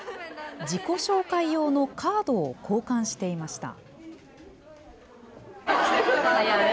自己紹介用のカードを交換していました。